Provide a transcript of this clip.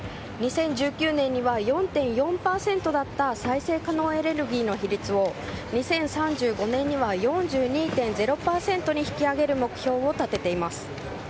２０１９年には４．４％だった再生可能エネルギーの比率を２０３５年には４２．０％に引き上げる目標を立てています。